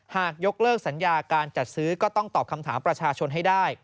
หากยกเลิกสัญญาการจัดซื้อก็ต้องตอบคำถามประชาชนให้ได้